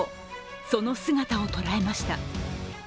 その姿を捉えました。